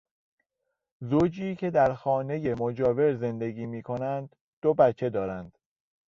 زوجی که در خانهی مجاور زندگی میکنند دو بچه دارند.